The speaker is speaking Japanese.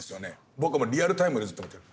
僕はリアルタイムでずっと見てる。